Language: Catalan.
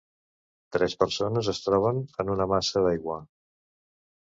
Tres persones es troben en una massa d'aigua.